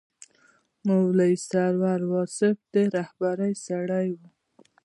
مولوي سرور واصف د رهبرۍ سړی و.